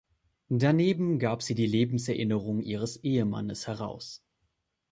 Daneben gab sie die Lebenserinnerungen ihres Ehemanns heraus.